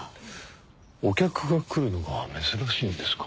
お客が来るのが珍しいんですか？